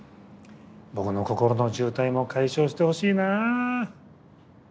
僕の心の渋滞も解消してほしいな。